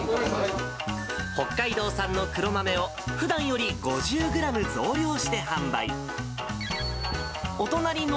北海道産の黒豆をふだんより５０グラム増量して販売。